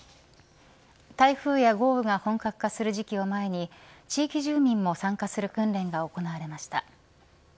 台風や豪雨が本格化する時期を前に地域住民も参加する訓練が行われました。